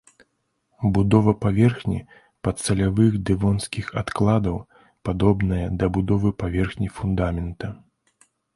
Будова паверхні падсалявых дэвонскіх адкладаў падобная да будовы паверхні фундамента.